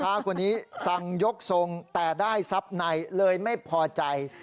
ข้ากว่านี้สั่งยกทรงแต่ได้ทรัพย์ไหนเลยไม่พอใจ